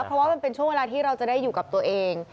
เพราะว่ามันเป็นช่วงเวลาที่เราจะได้อยู่กับตัวเอง